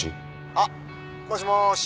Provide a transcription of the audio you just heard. あっもしもーし。